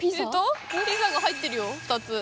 ピザが入ってるよ２つ。